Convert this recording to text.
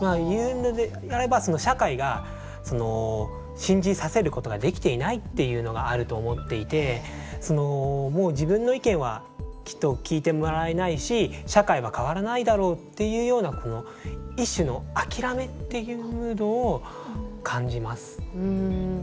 言うのであれば社会が信じさせることができていないっていうのがあると思っていてもう自分の意見はきっと聞いてもらえないし社会は変わらないだろうっていうような一種の諦めっていうムードを感じます。